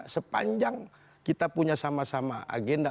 sepanjang kita punya sama sama agenda